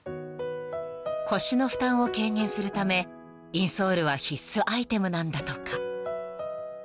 ［腰の負担を軽減するためインソールは必須アイテムなんだとか］